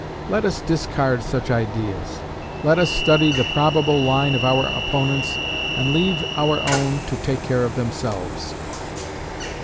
Let us discard such ideas.... Let us study the probable line of our opponents, and leave our own to take care of themselves.